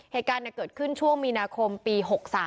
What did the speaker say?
เหตุการณ์เกิดขึ้นช่วงมีนาคมปี๖๓